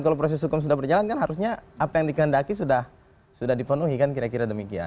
kalau proses hukum sudah berjalan kan harusnya apa yang dikehendaki sudah dipenuhi kan kira kira demikian